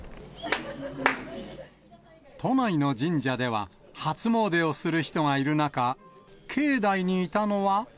都内の神社では、初詣をする人がいる中、境内にいたのは。